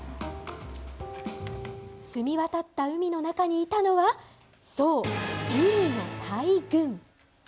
澄み渡った海の中にいたのは、そう、ウニの大群。